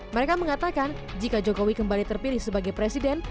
mereka mengatakan jika jokowi kembali terpilih sebagai presiden